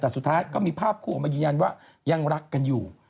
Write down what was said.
แต่สุดท้ายก็มีภาพคู่ออกมายืนยันว่ายังรักกันอยู่